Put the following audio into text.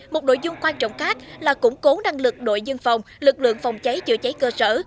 một nội dung quan trọng khác là củng cố năng lực đội dân phòng lực lượng phòng cháy chữa cháy cơ sở